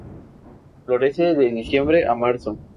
Florece de diciembre a marzo.